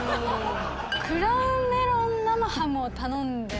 クラウンメロンと生ハムを頼んで。